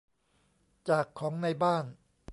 จากของในบ้าน